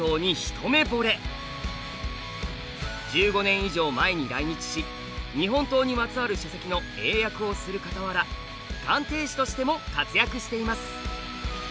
１５年以上前に来日し日本刀にまつわる書籍の英訳をするかたわら鑑定士としても活躍しています。